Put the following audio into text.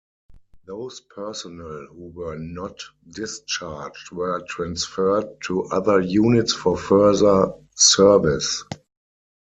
Those personnel who were not discharged were transferred to other units for further service.